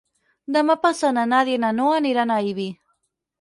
Demà passat na Nàdia i na Noa aniran a Ibi.